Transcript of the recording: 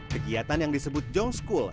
kegiatan yang disebut jong school